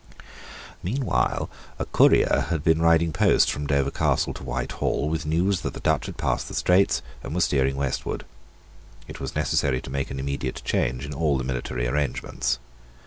Meanwhile a courier bad been riding post from Dover Castle to Whitehall with news that the Dutch had passed the Straits and were steering westward. It was necessary to make an immediate change in all the military arrangements.